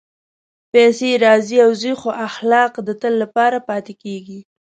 پېسې راځي او ځي، خو اخلاق د تل لپاره پاتې کېږي.